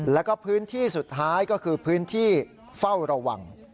แล้วก็พื้นที่สุดท้ายก็คือพื้นที่เฝ้าระวัง